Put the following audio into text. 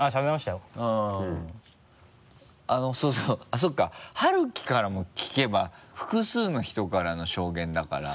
あっそうかハルキからも聞けば複数の人からの証言だから。